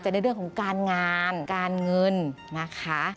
ในเรื่องของการงานการเงินนะคะ